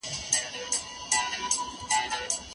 زه همدا اوس د خپلي دندې پر وړاندي ژمنتیا ښیم.